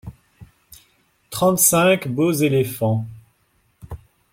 Trente-cinq beaux éléphants.